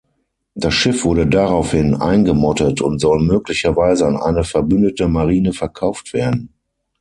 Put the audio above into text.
Das Schiff wurde daraufhin eingemottet und soll möglicherweise an eine verbündete Marine verkauft werden.